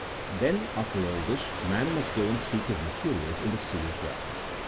Then, after all this, man must go and seek his materials in the sea as well